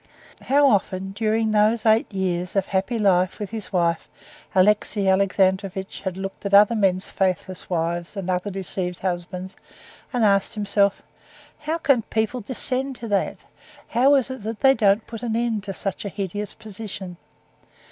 How often during those eight years of happy life with his wife Alexey Alexandrovitch had looked at other men's faithless wives and other deceived husbands and asked himself: "How can people descend to that? how is it they don't put an end to such a hideous position?"